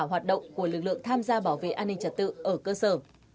hoạt động của lực lượng tham gia bảo vệ an ninh trật tự ở cơ sở